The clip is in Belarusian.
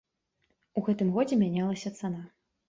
У гэтым годзе мянялася цана.